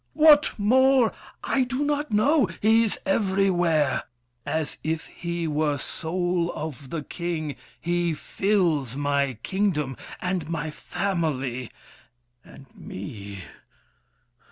What more? I do not know. He's everywhere: As if he were soul of the king, he fills My kingdom, and my family, and me.